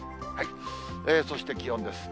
そして気温です。